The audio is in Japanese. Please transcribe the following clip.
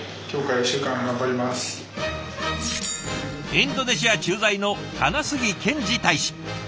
インドネシア駐在の金杉憲治大使。